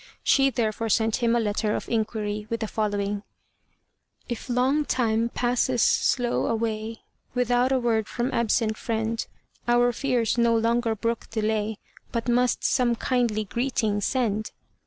She therefore sent him a letter of inquiry with the following: "If long time passes slow away, Without a word from absent friend, Our fears no longer brook delay, But must some kindly greeting send."